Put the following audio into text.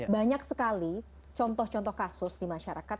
banyak sekali contoh contoh kasus di masyarakat